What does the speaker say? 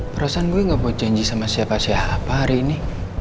perasaan gue gak mau janji sama siapa siapa hari ini